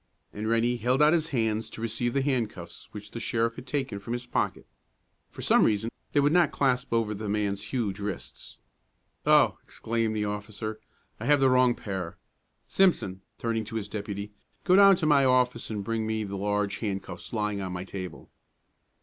And Rennie held out his hands to receive the handcuffs which the sheriff had taken from his pocket. For some reason, they would not clasp over the man's huge wrists. "Oh!" exclaimed the officer, "I have the wrong pair. Simpson," turning to his deputy, "go down to my office and bring me the large handcuffs lying on my table."